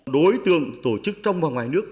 đối tượng tổ chức trong và ngoài nước